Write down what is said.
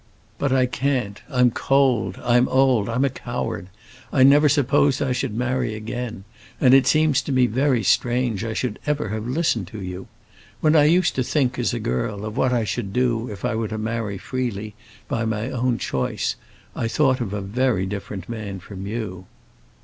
But I can't. I'm cold, I'm old, I'm a coward; I never supposed I should marry again, and it seems to me very strange I should ever have listened to you. When I used to think, as a girl, of what I should do if I were to marry freely, by my own choice, I thought of a very different man from you."